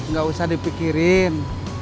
gak usah dipikirin